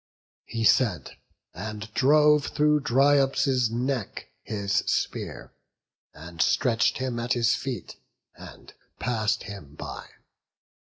He said, and drove through Dryops' neck his spear, And stretch'd him at his feet, and pass'd him by.